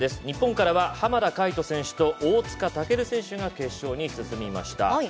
日本からは濱田海人選手と大塚健選手が決勝に進みました。